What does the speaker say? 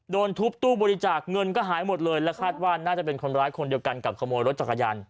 โดนทุบตู้บริจาคเงินก็หายหมดเลยและคาดว่าน่าจะเป็นคนร้ายคนเดียวกันกับขโมยรถจักรยาน